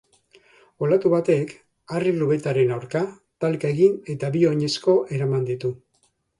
Olatu batek harri-lubetaren aurka talka egin eta bi oinezko eraman ditu.